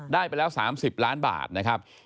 ได้ไปแล้ว๓๐ล้านบาทนะครับ